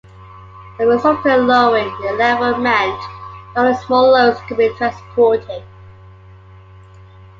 The resultant lowering in level meant that only small loads could be transported.